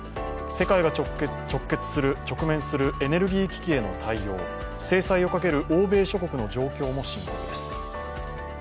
世界が直面するエネルギー危機への対応、制裁をかける欧米諸国の状況も深刻です。